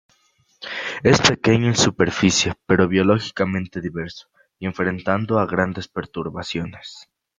Es pequeño en superficie, pero biológicamente diverso y enfrentando a grandes perturbaciones.